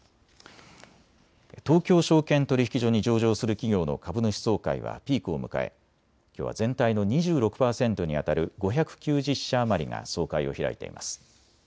東京証券取引所に上場する企業の株主総会はピークを迎え、きょうは全体の２６％に当たる５９０社余りが総会を開いています。